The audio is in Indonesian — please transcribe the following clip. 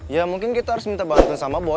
ya mungkin kita harus minta bantuan sama boy